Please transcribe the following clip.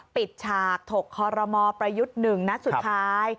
ฉากถกคอรมอประยุทธ์๑นัดสุดท้าย